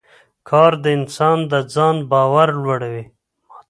کار د انسان د ځان باور لوړوي